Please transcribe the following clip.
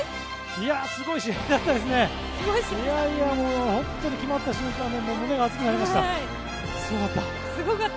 いやいや、本当に決まった瞬間胸が熱くなりました。